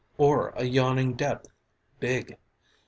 or a yawning depth: Big!